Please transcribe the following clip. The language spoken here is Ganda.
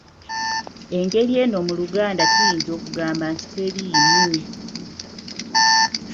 Engeri eno mu Luganda tuyinza okugamba nti teriimu.